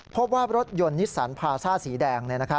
พบว่ารถยนต์นิสสันพาซ่าสีแดง